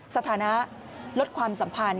สถานะลดความสัมพันธ์